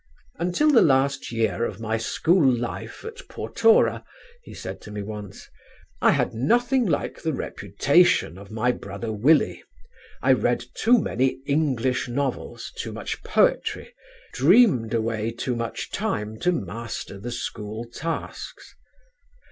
"Until the last year of my school life at Portora," he said to me once, "I had nothing like the reputation of my brother Willie. I read too many English novels, too much poetry, dreamed away too much time to master the school tasks.